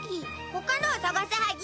他のを捜すはぎ。